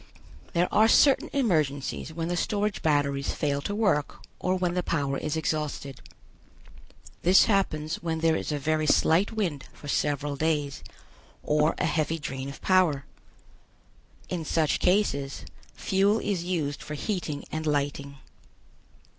There are certain emergencies when the storage batteries fail to work or when the power is exhausted; this happens when there is a very slight wind for several days or a heavy drain of power. In such cases fuel is used for heating and lighting.